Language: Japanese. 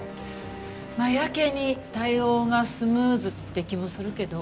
まあやけに対応がスムーズって気もするけど。